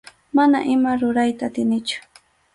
Mana ima rurayta atinichu.